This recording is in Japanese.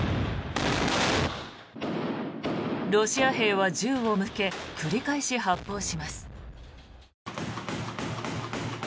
ロシア兵は銃を向け繰り返し発砲します。